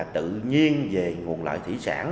tự nhiên về nguồn lợi thủy sản